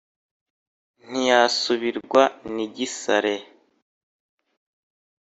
ntiyasubirwa n'igisare